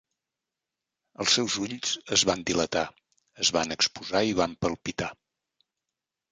Els seus ulls es van dilatar, es van exposar i van palpitar.